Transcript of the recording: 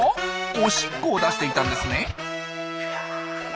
おしっこを出していたんですね。